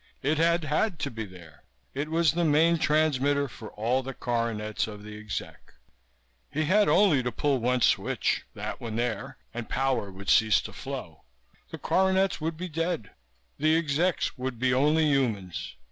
It had had to be there. It was the main transmitter for all the coronets of the exec. He had only to pull one switch that one there and power would cease to flow. The coronets would be dead. The execs would be only humans.